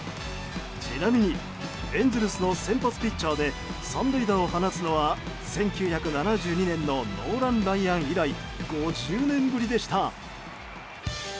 ちなみにエンゼルスの先発ピッチャーで３塁打を放つのは１９７２年のノーラン・ライアン以来５０年ぶりでした。